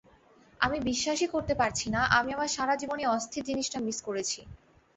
আমি বিশ্বাসই করতে পারছি না আমি আমার সারাজীবনে এই অস্থির জিনিসটা মিস করেছি।